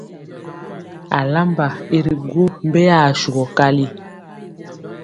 Alamba i ri gwo mbeya asugɔ kali.